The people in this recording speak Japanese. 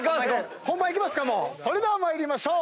それでは参りましょう。